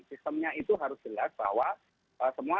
sistemnya itu harus jelas bahwa semua